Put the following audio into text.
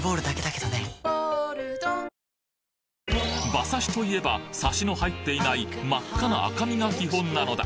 馬刺しといえばサシの入っていない真っ赤な赤身が基本なのだ。